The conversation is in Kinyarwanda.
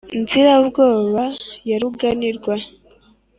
Nzirabwoba ya Ruganirwa.